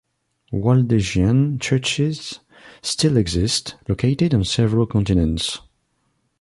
Waldensian churches still exist, located on several continents.